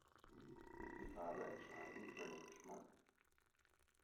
Ist die Farbe entscheidend für den Geschmack?